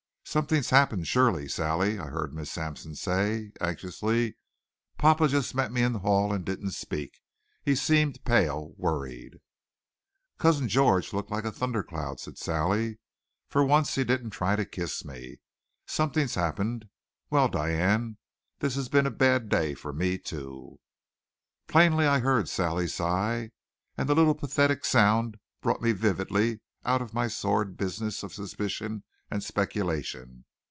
"Something's happened, surely, Sally," I heard Miss Sampson say anxiously. "Papa just met me in the hall and didn't speak. He seemed pale, worried." "Cousin George looked like a thundercloud," said Sally. "For once, he didn't try to kiss me. Something's happened. Well, Diane, this has been a bad day for me, too." Plainly I heard Sally's sigh, and the little pathetic sound brought me vividly out of my sordid business of suspicion and speculation.